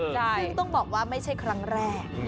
ซึ่งต้องบอกว่าไม่ใช่ครั้งแรก